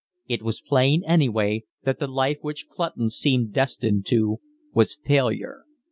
It was plain anyway that the life which Clutton seemed destined to was failure.